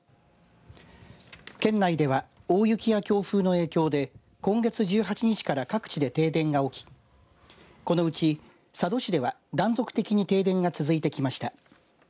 県内では、大雪や強風の影響で今月１８日から各地で停電が起きこのうち佐渡市では断続的に停電が続いてきました。